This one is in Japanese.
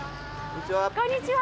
こんにちは。